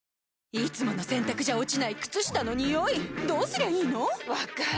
いつもの洗たくじゃ落ちない靴下のニオイどうすりゃいいの⁉分かる。